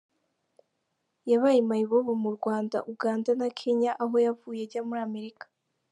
Yabaye mayibobo mu Rwanda, Uganda na Kenya aho yavuye ajya muri Amerika.